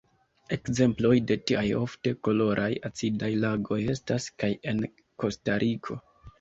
Ekzemploj de tiaj ofte koloraj acidaj lagoj estas kaj en Kostariko.